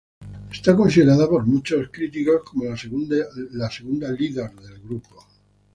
Es considerada por muchos críticos como la segunda líder del grupo.